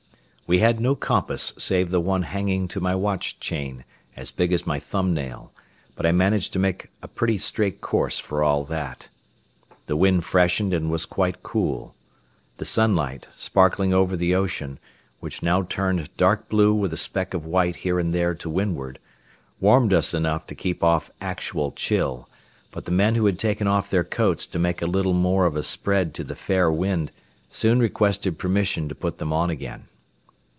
We had no compass save the one hanging to my watch chain, as big as my thumb nail, but I managed to make a pretty straight course for all that. The wind freshened and was quite cool. The sunlight, sparkling over the ocean, which now turned dark blue with a speck of white here and there to windward, warmed us enough to keep off actual chill, but the men who had taken off their coats to make a little more of a spread to the fair wind soon requested permission to put them on again.